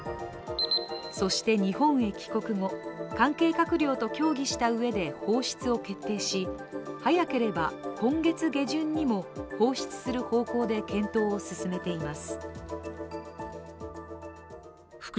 そして日本へ帰国後、関係閣僚と協議したうえで放出を決定し早ければ今月下旬にも放出する方向で検討を進めています。